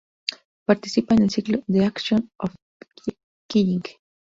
Participa en el ciclo "The act of killing.